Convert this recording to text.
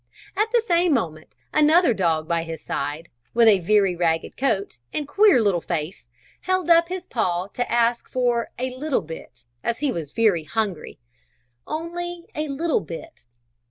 At the same moment another dog by his side, with a very ragged coat, and queer little face, held up his paw to ask for "a little bit," as he was very hungry, "only a little bit."